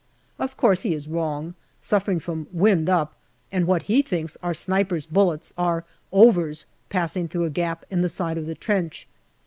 Of course he is wrong, suffering from " wind up," and what he thinks are snipers' bullets are " overs " passing through a gap in the side of the trench.